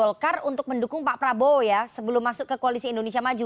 golkar untuk mendukung pak prabowo ya sebelum masuk ke koalisi indonesia maju